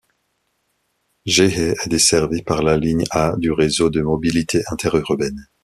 Gehée est desservie par la ligne A du Réseau de mobilité interurbaine.